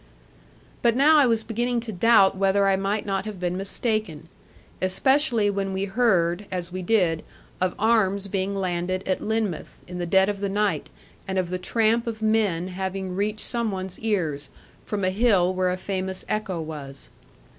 But now I was beginning to doubt whether I might not have been mistaken; especially when we heard, as we did, of arms being landed at Lynmouth, in the dead of the night, and of the tramp of men having reached some one's ears, from a hill where a famous echo was.